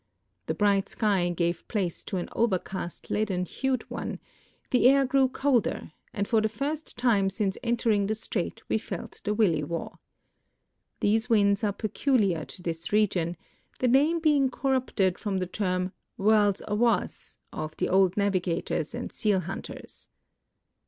'J'he bright sky gave place to an overcast leaden hued one, the air grew colder, and for the first time since enU^ring the strait we felt the williwaw. These winds are peculiar to this region, the name being corrupted from the term "whirl awas" of the old navigators and seal hunters.